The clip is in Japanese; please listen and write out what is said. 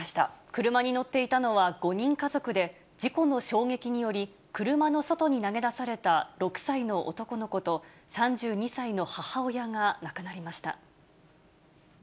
車に乗っていたのは５人家族で、事故の衝撃により、車の外に投げ出された６歳の男の子と３２歳の母親が亡くなりました。